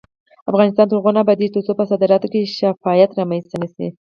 افغانستان تر هغو نه ابادیږي، ترڅو په صادراتو کې شفافیت رامنځته نشي.